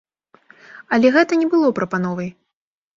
Але гэта не было прапановай.